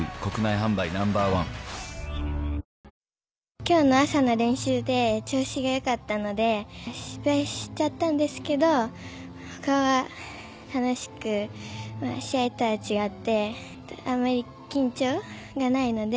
今日の朝の練習で調子が良かったので失敗しちゃったんですけど他は楽しく試合とは違ってあまり緊張がないので。